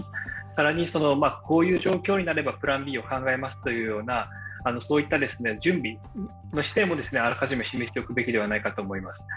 更に、こういう状況になればプランＢを考えますというような準備の姿勢もあらかじめしておく必要があるのではないかと思います。